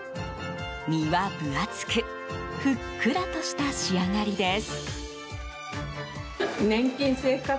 身は分厚くふっくらとした仕上がりです。